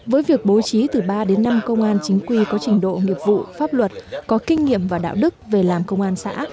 với việc bố trí từ ba đến năm công an chính quy có trình độ nghiệp vụ pháp luật có kinh nghiệm và đạo đức về làm công an xã